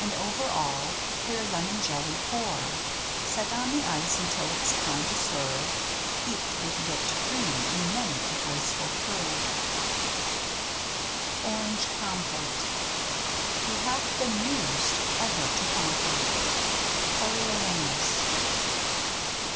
And over all clear lemon jelly pour. Set on the ice until it's time to serve Heaped with whipped cream in many a graceful curve. ^ Ik «1¥k 23 ORANGE COMPOTE He hath been used Ever to conquer. — Coriolanus.